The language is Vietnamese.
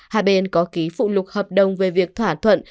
hai bên có ký phụ lục hợp đồng về việc thỏa thuận